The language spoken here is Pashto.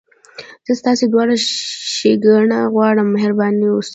زه ستاسي دواړو ښېګڼه غواړم، مهربانه اوسئ.